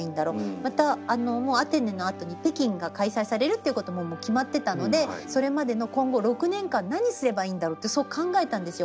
またもうアテネのあとに北京が開催されるっていうことも決まってたのでそれまでの今後６年間何すればいいんだろうってそう考えたんですよ。